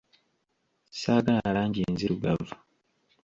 Saagala langi nzirugavu.